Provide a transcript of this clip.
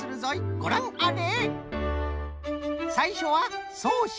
ごらんあれ！